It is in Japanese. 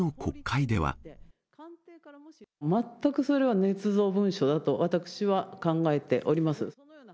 全くそれはねつ造文書だと、私は考えております。